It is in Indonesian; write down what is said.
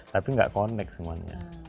tapi gak connect semuanya